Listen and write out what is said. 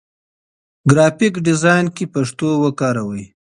ګرافيک ډيزاين کې پښتو وکاروئ.